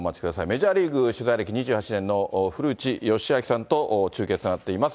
メジャーリーグ取材歴２８年の古内義明さんと中継つながっています。